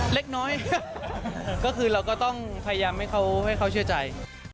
เอ่อเล็กน้อยก็คือเราก็ต้องพยายามให้เขาเชื่อใจ